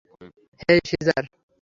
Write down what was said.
হেই, caesar!